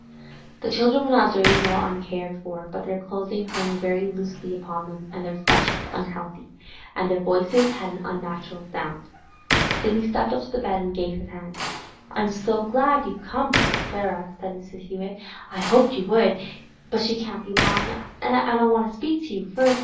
The children were not dirty nor uncared for, but their clothing hung very loosely upon them; their flesh was unhealthy, their voices had an unnatural sound. Sidney stepped up to the bed and gave his hand. 'I'm so glad you've come before Clara,' said Mrs. Hewett. 'I hoped you would. But she can't be long, an' I want to speak to you first.